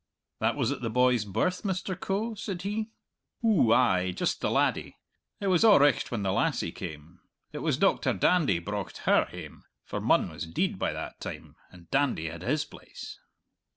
"That was at the boy's birth, Mr. Coe?" said he. "Ou ay, just the laddie. It was a' richt when the lassie came. It was Doctor Dandy brocht her hame, for Munn was deid by that time, and Dandy had his place."